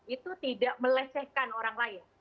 itu tidak melecehkan orang lain